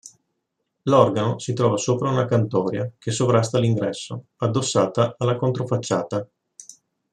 L'organo si trova sopra una cantoria che sovrasta l'ingresso, addossata alla controfacciata.